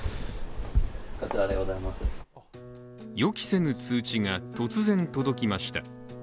予期せぬ通知が突然届きました。